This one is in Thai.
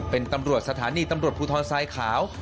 เป็นตำรวจสถานีตำรวจภูทรทรายขาว